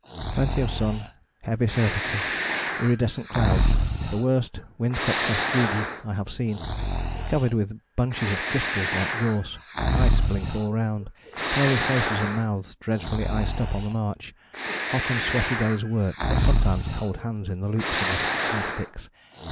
" Plenty of sun, heavy surfaces, iridescent clouds ... the worst windcut sastrugi I have seen, covered with bunches of crystals like gorse ... ice blink all round ... hairy faces and mouths dreadfully iced up on the march ... hot and sweaty days' work, but sometimes cold hands in the loops of the ski sticks